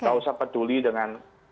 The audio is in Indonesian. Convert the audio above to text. tidak usah peduli dengan